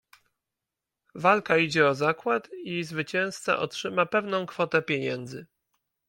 "Walka idzie o zakład i zwycięzca otrzyma pewną kwotę pieniędzy."